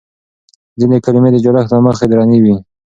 ځينې کلمې د جوړښت له مخې درنې وي.